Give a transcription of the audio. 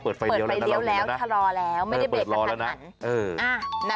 เปิดไฟเลี้ยวแล้วชะลอแล้วไม่ได้เบรกกระทันหัน